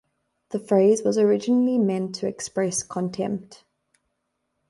The phrase was originally meant to express contempt.